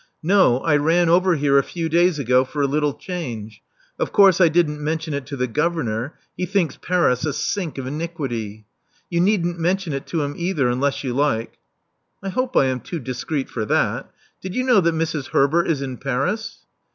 No, I ran over here a few days ago for a little change. Of course I didn't mention it to the governor: he thinks Paris a sink of iniquity. You needn't mention it to him either, unless you like." I hope I am too discreet for that. Did you know that Mrs. Herbert is in Paris?"